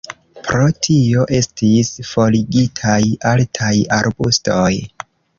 Pro tio estis forigitaj altaj arbustoj.